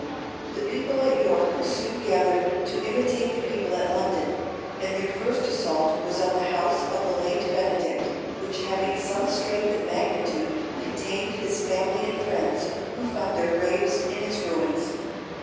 The people at York soon gathered to imitate the people at London; and their first assault was on the house of the late Benedict, which having some strength and magnitude, contained his family and friends, who found their graves in its ruins.